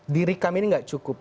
diri kami ini tidak cukup